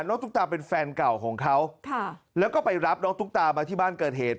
ตุ๊กตาเป็นแฟนเก่าของเขาแล้วก็ไปรับน้องตุ๊กตามาที่บ้านเกิดเหตุ